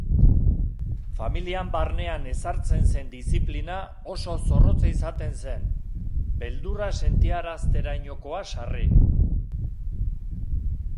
Familian barnean ezartzen zen diziplina oso zorrotza izaten zen, beldurra sentiarazterainokoa sarri.